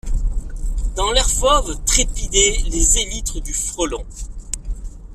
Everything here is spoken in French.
Dans l'air fauve trépidaient les élytres du frelon.